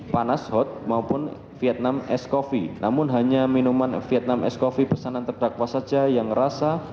panas hot maupun vietnam ice coffee namun hanya minuman vietnam ice coffee pesanan terdakwa saja yang ngerasa